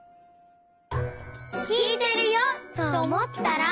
きいてるよとおもったら。